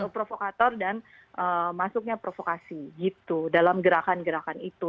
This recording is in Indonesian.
provokator dan masuknya provokasi gitu dalam gerakan gerakan itu